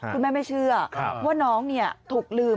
คุณแม่ไม่เชื่อว่าน้องถูกลืม